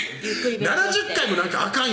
７０回も「あかん」